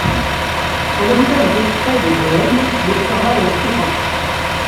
Un avocat vint exprès de Grenoble, l'observa et en fut ravi.